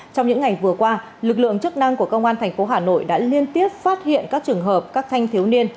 trong những ngày vừa qua lực lượng chức năng của công an thành phố hà nội đã liên tiếp phát hiện các trường hợp các thanh thiếu niên